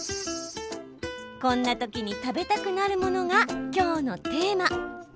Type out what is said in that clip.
こんなときに食べたくなるものがきょうのテーマ。